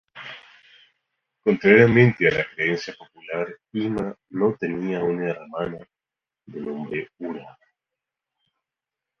Contrariamente a la creencia popular, Ima no tenía una hermana de nombre Ura.